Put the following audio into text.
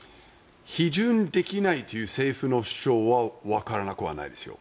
批准できないという政府の主張はわからなくはないですよ。